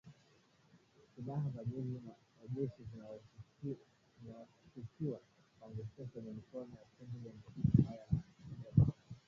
Silaha za jeshi zinashukiwa kuangukia kwenye mikono ya kundi lenye sifa mbaya la CODECO